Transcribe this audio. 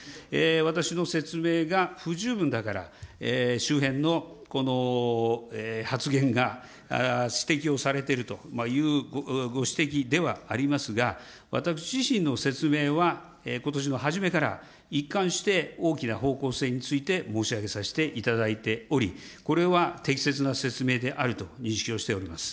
私の説明が不十分だから、周辺の発言が指摘をされてるというご指摘ではありますが、私自身の説明はことしの初めから一貫して大きな方向性について申し上げさせていただいており、これは適切な説明であると認識をしております。